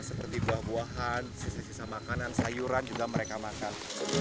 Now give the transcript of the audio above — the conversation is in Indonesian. seperti buah buahan sisa sisa makanan sayuran juga mereka makan